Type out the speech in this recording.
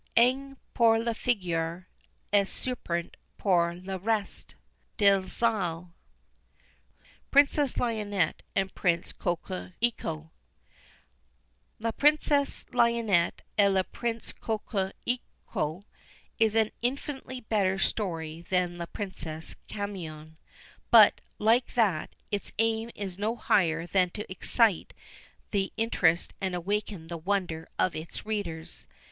Ange par la figure, et serpent par la reste. Delisle. PRINCESS LIONETTE AND PRINCE COQUERICO. La Princesse Lionette et le Prince Coquerico is an infinitely better story than La Princesse Camion: but, like that, its aim is no higher than to excite the interest and awaken the wonder of its readers.